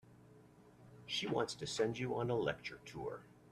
She wants to send you on a lecture tour.